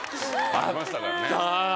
ありましたからね。